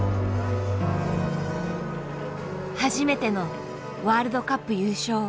初めてのワールドカップ優勝。